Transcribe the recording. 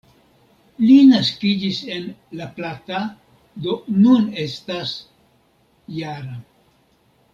Li naskiĝis en La Plata, do nun estas -jara.